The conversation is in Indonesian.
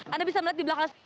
anda bisa melihat di belakang